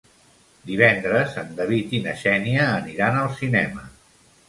Divendres en David i na Xènia aniran al cinema.